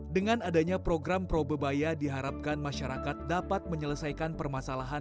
dengan adanya program probebaya diharapkan masyarakat dapat menyelesaikan permasalahan